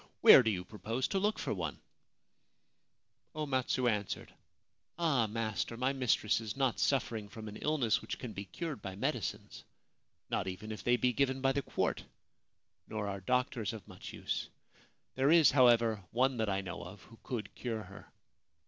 Where do you propose to look for one ?' 2 3 Ancient Tales and Folklore of Japan O Matsu answered :' Ah, master, my mistress is not suffering from an illness which can be cured by medicines — not even if they be given by the quart. Nor are doctors of much use. There is, however, one that I know of who could cure her.